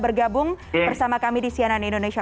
bergabung bersama kami di sianan indonesia